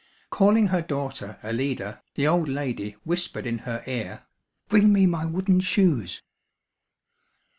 Calling her daughter Alida, the old lady whispered in her ear: "Bring me my wooden shoes."